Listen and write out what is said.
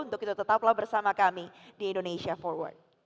untuk itu tetaplah bersama kami di indonesia forward